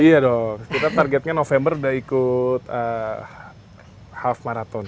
iya dong kita targetnya november udah ikut half marathon